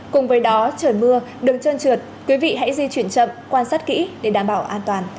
cùng với đó trời mưa đường trơn trượt quý vị hãy di chuyển chậm quan sát kỹ để đảm bảo an toàn